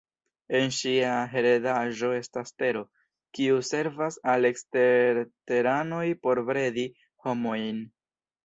En ŝia heredaĵo estas Tero, kiu servas al eksterteranoj por bredi homojn.